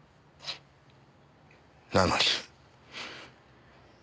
なのに。